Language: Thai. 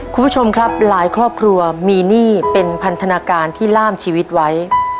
คุณผู้ชมครับหลายครอบครัวมีหนี้เป็นพันธนาการที่ล่ามชีวิตไว้